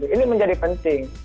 ini menjadi penting